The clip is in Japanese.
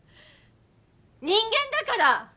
人間だから！